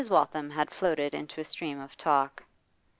Waltham had floated into a stream of talk.